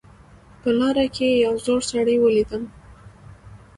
په لاره کې یو زوړ سړی ولیدم